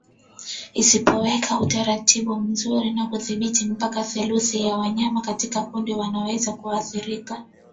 Kusipowekwa utaratibu mzuri na udhibiti mpaka theluthi ya wanyama katika kundi wanaweza kuathirika